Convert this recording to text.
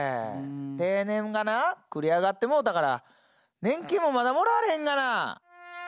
定年がな繰り上がってもうたから年金もまだもらわれへんがな！